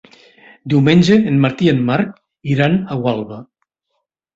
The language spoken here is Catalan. Diumenge en Martí i en Marc iran a Gualba.